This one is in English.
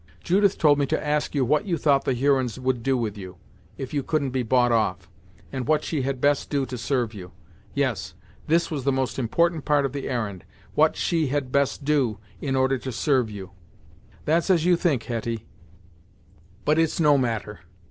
Judith told me to ask you what you thought the Hurons would do with you, if you couldn't be bought off, and what she had best do to serve you. Yes, this was the most important part of the errand what she had best do, in order to serve you?" "That's as you think, Hetty; but it's no matter.